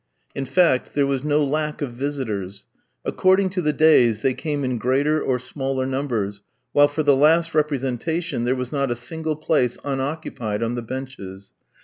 In fact, there was no lack of visitors. According to the days, they came in greater or smaller numbers, while for the last representation there was not a single place unoccupied on the benches.